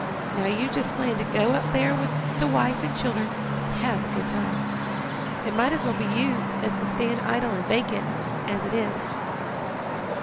Now you just plan to go up there with the wife and children, and have a good time. It might as well be used as to stand idle and vacant, as it is."